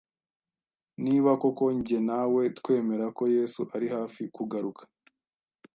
Niba koko jye nawe twemera ko Yesu ari hafi kugaruka,